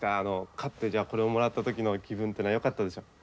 勝ってこれをもらった時の気分ってのはよかったでしょ？